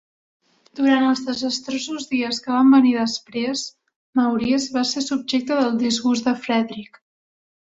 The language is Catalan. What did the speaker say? Durant els desastrosos dies que van venir després, Maurice va ser subjecte del disgust de Frederick.